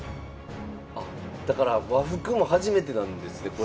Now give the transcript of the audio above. あっだから和服も初めてなんですね。